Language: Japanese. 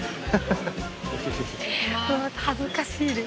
「恥ずかしいです」